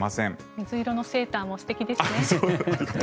水色のセーターも素敵ですね。